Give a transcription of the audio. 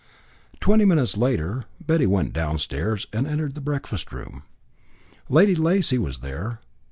Twenty minutes later, Betty went downstairs and entered the breakfast room. Lady Lacy was there.